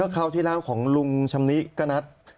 ก็เข้าที่ร้านของลุงชำนิกก็นัด